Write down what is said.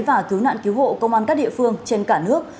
và cứu nạn cứu hộ công an các địa phương trên cả nước